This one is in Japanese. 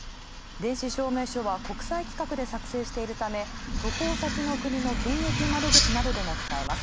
電子証明書は国際規格で作成しているため渡航先の国の検疫窓口などでも使われます。